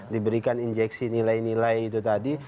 diberikan injeksi nilai nilai itu tadi